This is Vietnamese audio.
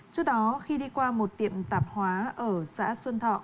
trước đó khi đi qua một tiệm tạp hóa ở xã xuân thọ